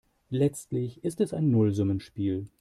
Letztlich ist es ein Nullsummenspiel.